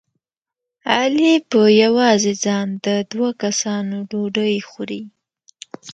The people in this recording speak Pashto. علي په یوازې ځان د دوه کسانو ډوډۍ خوري.